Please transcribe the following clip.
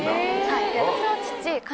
はい。